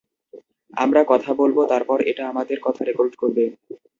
আমরা কথা বলব তারপর এটা আমাদের কথা রেকর্ড করবে।